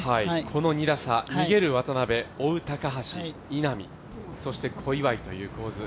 この２打差、逃げる渡邉追う高橋、稲見、そして小祝という構図。